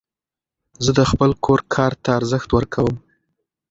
زه د خپل کور کار ته ارزښت ورکوم.